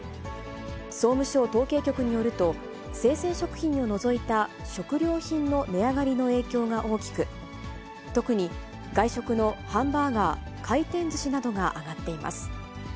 総務省統計局によると、生鮮食品を除いた食料品の値上がりの影響が大きく、特に外食のハンバーガー、回転ずしなどが上がっています。